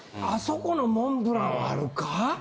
あそこのモンブランはあるか？